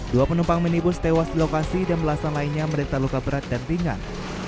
dua penumpang minibus tewas di lokasi dan belasan lainnya menderita luka berat dan ringan